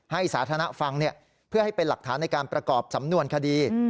ให้สาธารณะฟังเพื่อให้เป็นหลักฐานในการประกอบสำนวนคดี